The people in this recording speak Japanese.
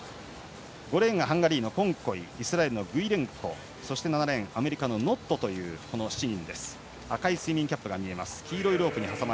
５レーンがハンガリーのコンコイイスラエルのグイレンコアメリカのノットという７人。